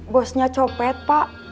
bosnya copet pak